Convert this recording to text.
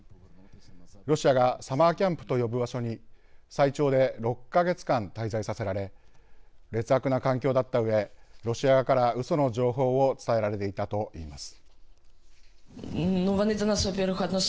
ロシアがサマーキャンプと呼ぶ場所に最長で６か月間滞在させられ劣悪な環境だったうえロシア側からうその情報を伝えられていたといいます。